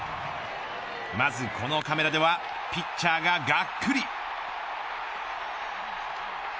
まずこのカメラではピッチャーががっくり。